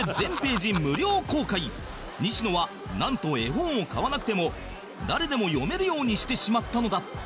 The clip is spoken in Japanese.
西野はなんと絵本を買わなくても誰でも読めるようにしてしまったのだ